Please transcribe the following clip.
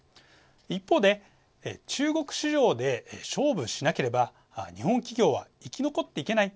一方で中国市場で勝負しなければ日本企業は生き残っていけない